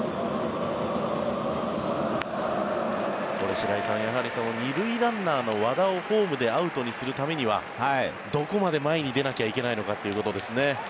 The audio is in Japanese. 白井さん２塁ランナーの和田をホームでアウトにするためにはどこまで前に出なきゃいけないのかということですね。